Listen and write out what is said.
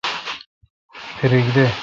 پھریک دہ۔